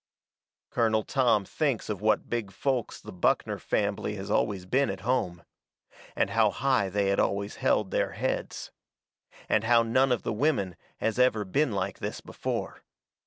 Colonel Tom thinks of what big folks the Buckner fambly has always been at home. And how high they had always held their heads. And how none of the women has ever been like this before.